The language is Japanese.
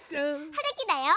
はるきだよ。